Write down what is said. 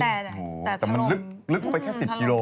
แต่มันลึกไปแค่๑๐กิโล